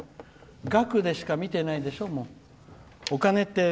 額でしか見てないでしょ、